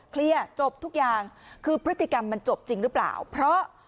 เคลียร์จบทุกอย่างคือพฤติกรรมมันจบจริงหรือเปล่าเพราะ